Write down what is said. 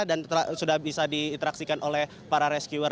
dan sudah bisa diinteraksikan oleh para rescuer